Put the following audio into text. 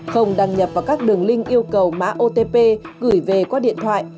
không đăng nhập vào các đường link yêu cầu mã otp gửi về qua điện thoại